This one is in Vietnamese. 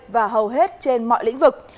và hầu hết trên mọi lĩnh vực